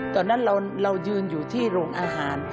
ตอนนั้นเรายืนอยู่ที่โรงอาหาร